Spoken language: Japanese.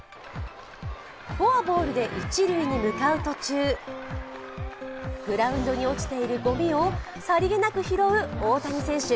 フォアボールで一塁に向かう途中、グラウンドに落ちているごみをさりげなく拾う大谷選手。